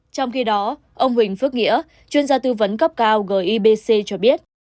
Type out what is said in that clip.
trong khi đó ông huỳnh phước nghĩa chuyên gia tư vấn cấp cao gibc cho biết